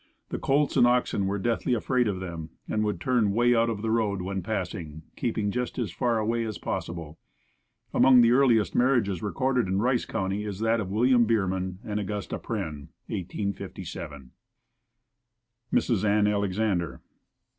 The colts and oxen were deathly afraid of them and would turn way out of the road when passing, keeping just as far away as possible. Among the earliest marriages recorded in Rice county is that of William Bierman and Augusta Prehn 1857. Mrs. Ann Alexander.